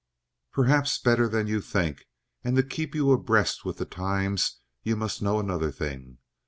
"Perhaps better than you think; and to keep you abreast with the times, you must know another thing.